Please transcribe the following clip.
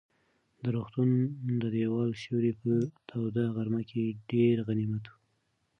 د روغتون د دېوال سیوری په توده غرمه کې ډېر غنیمت و.